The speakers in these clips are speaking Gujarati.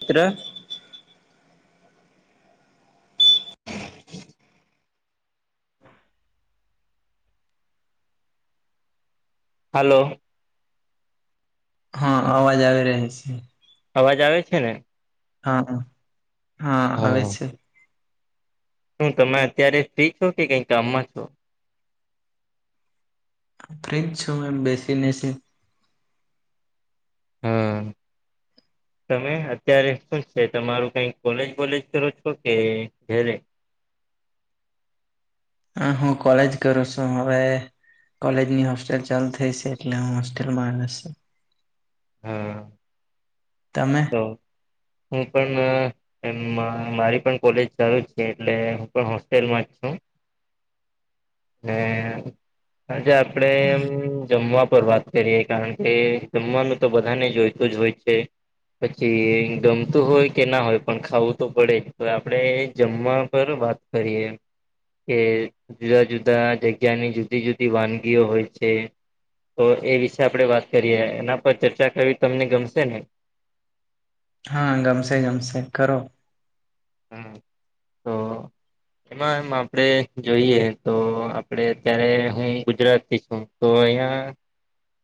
ત્ર હલો હા, અવાજ આવી રહ છે. અવાજ આવે છે, ને હા હા આવે છે. શું તમે અત્યારે ફ્રી છો કે કઈ કામમાં છો ફ્રિજ છું મે બેસીનેસી હા તમે અત્યારે શું છે, તમારું કઈ કોલેજ વોલેજ કરો છો કે જરે હ હું કોલેજ કરું છું હવે કોલેજની હોસ્ટેલ ચાલુ થઈ છે એટલે હું હોસ્ટેલમાં આવે છ હા તમે હું પણ એ મારી પણ કોલેજ ચાલુ છે, એટલે હું પણ હોસ્ટેલમાં જ છું હજે આપડે એમ જમવા ફવા કરી કારણ કે જમવાનું તો બધાને જોઈતું જ હોય છે. પછી ગમતું હોય કે ના હોય પણ ખાવું તો પડે જ તો આપણે જમવા પર વાત કરીએ કે જુદા જુદા જગ્યાની જુદી જુદી વાનગીઓ હોય છે. તો એ વિશે આપડે વાત કરીએ એના પર ચર્ચા કરવી તમને ગમશે ને હા ગમશે જમશે કરો હમ તો એમ આપડે જોઈએ તો આપડે અત્યારે હું ગુજરાત થી છું તો અહીિયાયા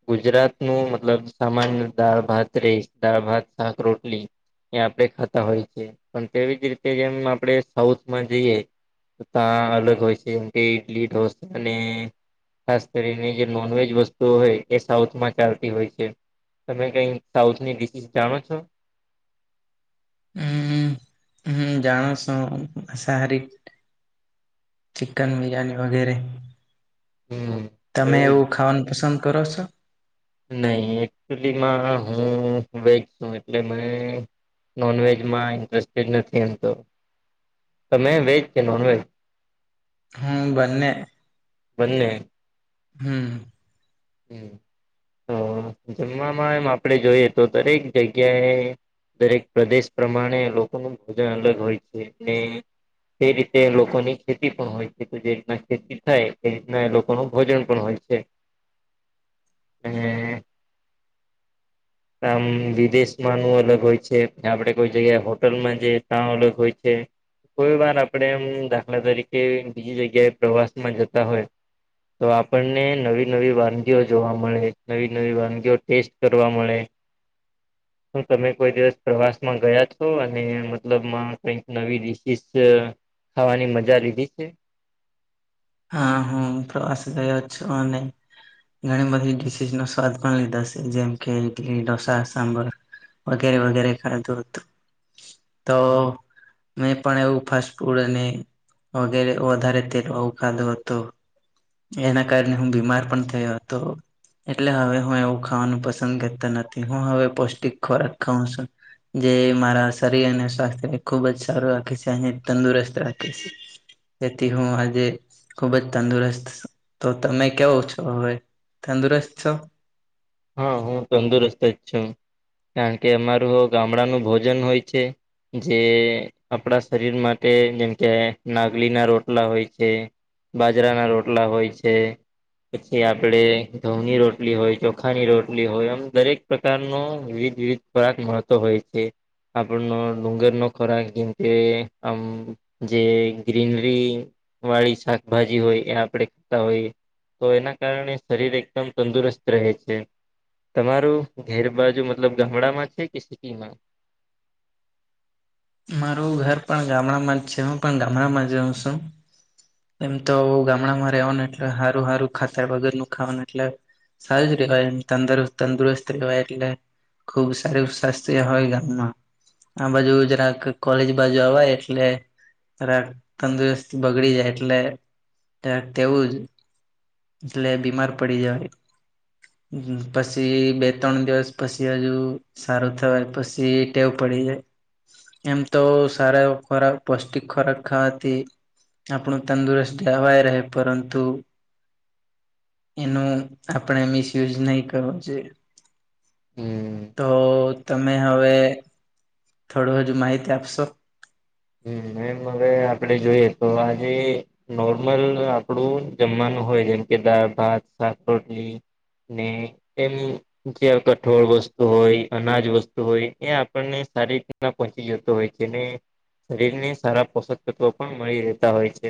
ગુજરાત નું મતલબ સામાન્ય દાળ ભાત રે દાળ ભાત શાક રોટલી ત્યાં આપડે ખાતા હોય છે. પણ તેવી જ રીતે જેમ આપણે સાઉથમાં જઈએ ત અલગ હોય છે, જેમ કે ઈડલી ઢોસા ને ખાસ કરીને જે નોનવેજ વસ્તુઓ હોય એ સાઉથમાં ચાલતી હોય છે. તમે કઈ સાઉથની ડિશિસ જાણો છો હમ હમ જાણસ સારી ચિકન બિરિયાની વગેરે તમે એવું ખાવાનું પસંદ કરો છો નહી એકચુલીમાં હું વચ છું એટલે મે નોનવેજમાં ઇન્ટરેસ્ટડ નથી એમતો તમે વેજ કે નોન વેજ હમ બને બને હમ હ તો જમવામાં એમ આપણેે જોઈએ તો દરેક જગ્યાએ દરેક પ્રદેશ પ્રમાણે લોકોનું ભોજન અલગ હોય છે. તે રીતે લોકોની ખેતી પણ હોય છે, તો જે રીતના થાય એ રીના લોકો ન ભોજન પણ હોય છે. હમ આમ વિદેશમાં નું અલગ હોય છે, આપડે કોઈ જગ્યાએ હોટલમાં જઈએ ત્યા અલગ હોય છે. કોઈ વાર આપે એમ દાખલા તરીકે બીજી જગ્યાએ પ્રવાસમાં જતા હોય તો આપણને નવી નવી વાનગીઓ જોવા મળે નવી નવી વાનગીઓ ટેસ્ટ કરવા મળે તમે કોઈ દિવસ પ્રવાસમાં ગયા છો અને મતલબ કઈક નવી ખાવાની મજા લીધી છે? હા, હું પ્રવાસ ગયો છુ અને ઘણી બધી ડિશીશનો સ્વાદ પણ લીધા છે, જેમ કે, ઈડલી, ઢોસા, સાંબર વગેરે-વગેરે ખાધું હતું. તો મે પણ એવું ફાસ્ટ ફૂડ અને વગેરે વધારે તે ખાધુ હતું, એના કારણે હું બીમાર પણ થયો હતો. એટલે હવે હું એવું ખાવાનું પસંદ કરતો નથી. હું હવે પૌષ્ટિક ખોરાક ખાઉ છું. જે મારા શરીર અને સ્વાસ્થ્યને ખુબ જ સારું રાખે છે, અને તંદુરસ્ત રાખે છે. એથી હું આજે ખુબ જ તંદુરસ્ત. તો તમે કેવુ છો હવે? તંદુરસ્ત છો? હા, હું તંદુરસ્ત જ છું. કારણ કે અમારું હવ ગામડાનું ભોજન હોય છે જે આપડા શરીર માટે જેમ કે, નાગલીના રોટલા હોય છે બાજરાના રોટલા હોય છે, પછી આપડે ઘઉંની રોટલી હોય જો ખાની રોટલી હોય, એમ દરેક પ્રકારનું વિવિધ-વિવિધ પાક મહત્વ હોય છે. આપડન ડુંગરનો ખોરાક જેમ કે આમ જે ગ્રીનરી વાળી શાકભાજી હોય એ આપડે ખાતા હોઈએ. તો એના કારણે શરીર એકદમ તંદુરસ્ત રહે છે. [unintelligible] તમારું ઘેર બાજુ મતલબ ગામડામાં છે કે સિટીમાં? મારું ઘર પણ ગામડામાં જ છે, હું પણ ગામડામાં જ રઉ શું. એમ તો ગામડામાં રહેવાનું એટલે હારું-હારું ખાતા વગરનું ખાવાનું એટલે સારું જ રેવાય, એમ તંદુરસ્ત-તંદુરસ્ત રેવાય એટલે ખુબ સારું સ્વાસ્થ્ય હોય ગામમાં. આ બાજુ જરાક કોલેજ બાજુ અવાય એટલે ધરાડ તંદુરસ્ત બગડી જાય એટલે ત્યાં તેવું જ એટલે બીમાર પડી જાય. પસી બે-ત્રણ દિવસ પસી હજુ સારું થવાય પસી ટેવ પડી જાય એમ તો સારા એવો ખોરાક, પૌષ્ટિક ખોરાક ખાવાથી આપણું તંદુરસ્ત ધેવાય રહે, પરંતુ એનું આપણે મિસયુઝ નઈ કરવો જોઈએ. હમ. તો તમે હવે થોડું હજુ માહિતી આપશો? હમ, એમ હવે આપડે જોઈએ તો આજે નોર્મલ આપડું જમવાનું હોય, જેમ કે દાળ-ભાત, શાક, રોટલી ને એમ જ્યા કઠોળ વસ્તુ હોય, અનાજ વસ્તુ હોય, એ આપણને સારી રી ના પોહચી જતો હોય છે ને શરીરને સારા પોષક તત્વો પણ મળી રહેતા હોય છે.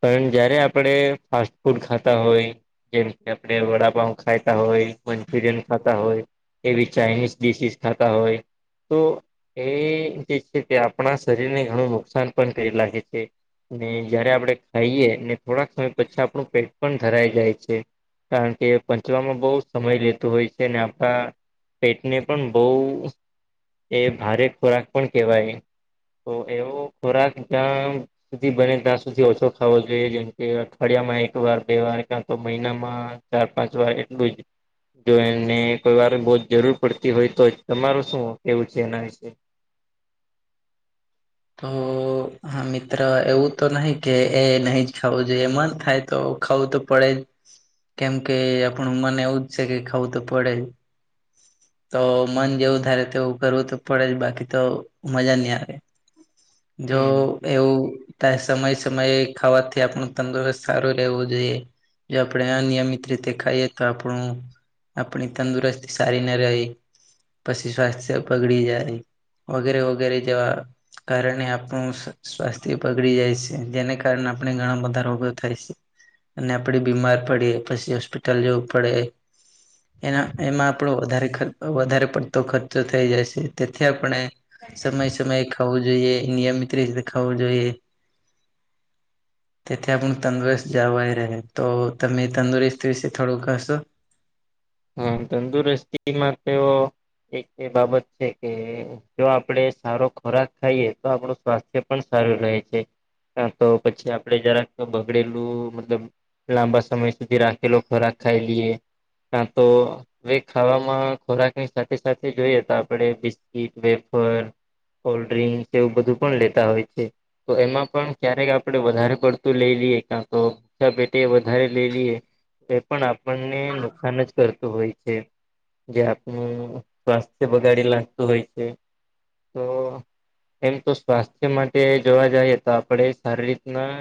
પણ જયારે આપડે ફાસ્ટ ફૂડ ખાતા હોય જેમ કે આપડે વડાપાઉ ખાતા હોય, મંચુરિયન ખાતા હોય એવી ચાાઈનીઝ ડિશીસ ખાતા હોય, તો એ જે છે તે આપણા શરીરને ઘણું નુકસાન પણ કરી લાગે છે. ને જયારે આપડે ખાઈએ ને થોડાક સમય પછી આપણું પેટ પણ ધરાય જાય છે. કારણ કે પંચવામાં બઉ સમય લેતુ હોય છે ને આપડા પેટને પણ બઉ એ ભારે ખોરાક પણ કેહવાય. તો એવો ખોરાક જ્યાં આમ સુધી બને ત્યાં સુધી ઓછો ખાવો જોઈએ. જેમ કે અઠવાડિયામાં એકવાર, બેવાર કા તો મહિનામાં ચાર-પાંચ વાર એટલું જ. જો એમને કોઈવાર બઉ જ જરૂર પડતી હોય તો જ. તમારું શું કેવું છે એના વિશે? તો હા મિત્ર એવું તો નહીિ કે એ નહી જ ખાવું જોઈએ મન થાય તો ખાવું તો પડે જ. કેમ કે આપણું મને એવું જ છે કે ખાવું તો પડે જ. તો મન જેવું ધારે તોવું કરવું તો પડે જ બાકી તો મજા નહી આવે. જો. હમ એવું ત સમય સમયે ખાવાથી આપણું તંદુરસ્ત સારું રહેવું જોઈએ. જો આપણે નિયમિત રીતે ખાઈએ તો આપણું. આપણી તંદુરસ્તી સારી ના રહી. પછી સ્વાસ્થ્ય બગડી જ ર વગેરે વગેરે જેવા. કારણે આપનું સ? સ્વાસ્થ્ય પગડી જાય છે જેને કારણે આપણે ઘણા બધા રોગો થાય છે. અને આપડી બીમાર પડીએ પછી હોસ્પિટલ જવું પડે! એના એમાં આપણો વધારે વધારે પડતો ખર્ચો થઈ જાય છે તેથી આપણે. સમય સમયે ખું જોઈએ નિયમિત રીતે ખું જોઈએ. [inaudible] તેથી આપ તંદુરસ્ત જવાય રહે તો તમે તંદુરસ્ત વિશે થોડુંક કશો. હા તંદુરસ્તીમાં તો એક એ બાબત છે કે. જો આપડે સારો ખોરાક ખાઈએ તો આપણું સ્વાસ્થ્ય પણ સારું રહે છે. હા તો પછી આપડે જરાક બગડેલું મતલબ. લાંબા સમય સુધી રાખેલો ખોરાક ખાઈ લઈએ. કા તો. હવે ખાવામાં ખોરાકની સાથે સાથે જોઈએ તો આપણે બિસ્કીટ વેફર. કોલ્ડ્રિંક એવું બધું પણ લેતા હોય છે. તો એમાં પણ ક્યારેક આપડે વધારે પડતું લઈ લઈએ ક્યા તો. [inaudible] પેટી વધારે લઈ લઈએ એ પણ આપણને નુકસાન જ કરતું હોય છે. જે આપનું સ્વાસ્થ્ય બગાડી લાગતું હોય છે તો. એમ તો સ્વાસ્થ્ય માટે જોવા જઈએ તો આપણે સારી રીતના.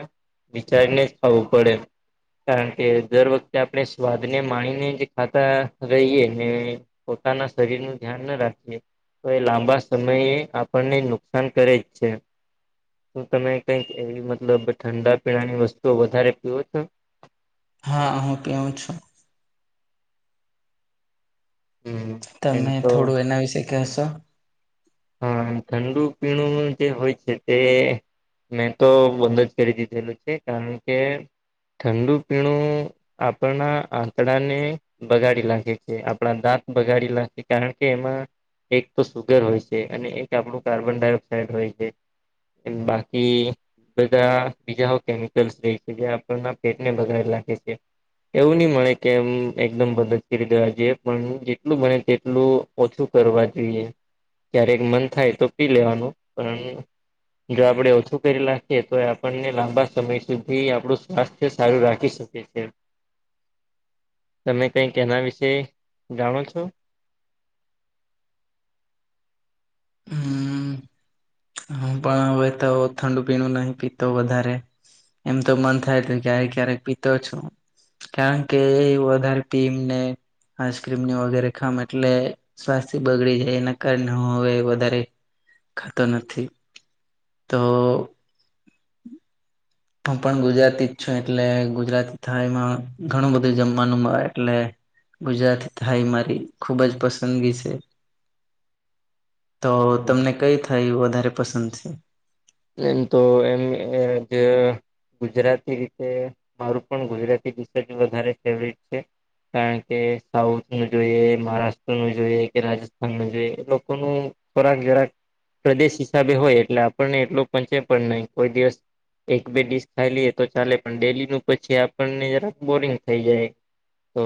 વિચારીને જ ખાવું પડે કારણ કે દર વખતે આપણે સ્વાદને માણીને. ખાતા રહીએ ને પોતાના શરીર નું ધ્યાન ના રાખીએ. તો એ લાંબા સમયે આપણને નુકસાન કરે જ છે. શું તમે કઈક એવી મતલબ ઠંડા પીણાની વસ્તુઓ વધારે પીઓ છો. હા હું પીવું છું. હમ. એમ તમે તો થોડું એના વિશે કહેશો. હા ઠંડુ પીણું જે હોય છે તે. મેં તો બંધ જ કરી દીધેલું છે કારણ કે. ઠંડુ પીણું આપણા આંતડાને. બગાડી નાખે છે આપણા દાંત બગાડી લખે કારણ કે એમાં એક તો સુુગર હોય છે. અને એક આપણું કાર્બન ડાયોક્સાઇડ હોય છે બાકી. બધા બીજા કેમિકલ્સ ર જે આપ પેટને બગાડ નાખે છે. એવું નહી મળે કે એમ એકદમ મદદ કરી દેવા જઈએ પણ જેટલું બને તેટલું. ઓછું કરવા જોઈએ. ક્યારેક મન થાય તો પી લેવાનું પણ આમ જો આપડણે ઓછું કરી નાખીએ તો આપણને લાંબા સમય સુધી આપણું સ્વાસ્થ્ય સારું રાખી શકીએ. તમે કઈક એના વિશે જાણો છો. હ પણ હવે તો ઠંડુ પીણું નહી પીતો વધારે. એમ તો મન થાય તું ક્યારેક ક્યારેક પીતો છું. કારણ કે એ વધારે પીમને. આઈસ્ક્રીમની વગેરે ખામ એટલે સ્વાસ્યથી બગડી જાય એના કારણે હું હવે વધારે. તો નથી તો. હું પણ ગુજરાતી જ છું એટલે ગુજરાતી થાય એમાં ઘણું બધું જમવાનું મળ એટલે. ગુજરાતી થાડી મારી ખૂબ જ પસંદગી છે તો હમ તમને કઈ થાડીઓ વધારે પસંદ છે એમ તો એમ જે ગુજરાતી રીતે મારું પણ ગુજરાતી જ વધારે ફેવરેટ છે કારણ કે સાઉથ નું જોઈએ મહારાષ્ટ્ર નું જોઈએ કે રાજસ્થાન નું જોઈએ એ લોકોનું ખોરાક જરાક પ્રદેશ હિસાબે હોય એટલે આપણને એટલું પચે પણ નહી કોઈ દિવસ એક બે ડીસ ખાઈ લઈએ તો ચાલે પણ ડેલી નું પછી આપણને જરા બોરિંગ થઈ જાય. તો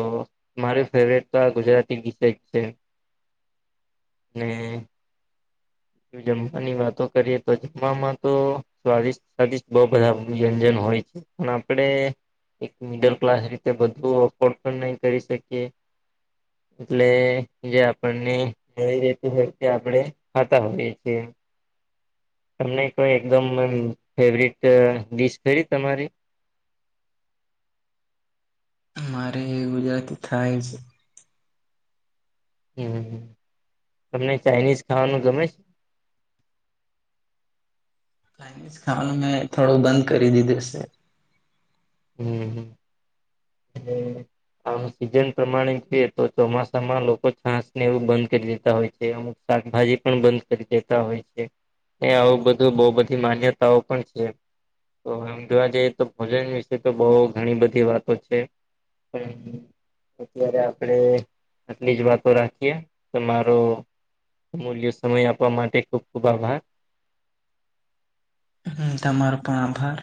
માર ફેવરેટ તો આ ગુજરાતી ગીત જ છે. અને જમવાની વાતો કરીએ તો જમવાવામાં તો સ્વાદિષ સ્વાદિષ્ટ બહૂ બધા વ્યંજન હોય છે. પણ આપણે એક મિડલ ક્લાસ રીતે બધું અફોર્ડ પણ નહી કરી શકીએ. એટલે જે આપણને મળી રેતું હોય તે આપડે કરતા હોયે છે. તમને કોઈ એકદમ ફેવરટ ડીશે તમારી મારે ગુજરાતી થાળી છે. હમ, તમને ચાઇનીઝ ખાવાનું ગમે છે? ચાઇનીઝ ખાવાનું મેં થોડું બંધ કરી દીધું છે. હમ હ હમ આમ સીઝન પ્રમાણે જોઈએ તો ચોમાસામાં લોકો છાસ ને એવું બંધ કરી દેતા હોય છે. શાકભાજી પણ બંધ કરી દેતા હોય છે. એ આવું બધું બહુ બધી માન્યતાઓ પણ છે. તો આમ જોવા જઈએ તો ભોજન વિશે તો બહ ઘણી બધી વાતો છે. [inaudible] અત્યારે આપડે આટલી જ વાતો રાખીએ કે મારો અમૂલ્ય સમય આપવા માટે ખુબ ખુબ આભાર. હ તમારો પણ આભાર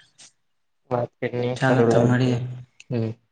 ચાલો તો હ મળીએ [inaudible]